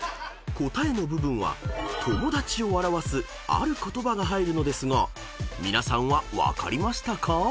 ［答えの部分は友達を表すある言葉が入るのですが皆さんは分かりましたか？］